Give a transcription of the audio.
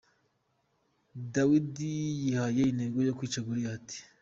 Dawidi yihaye intego yo kwica Goliath.